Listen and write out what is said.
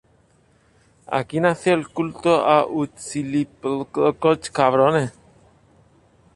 Aquí nació el culto a Huitzilopochtli, el Dios Guerrero de la mitología Azteca.